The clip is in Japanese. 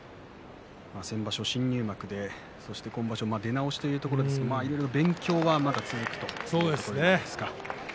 先場所、新入幕そして今場所、出直しというところですが勉強はまだ続くというところですね。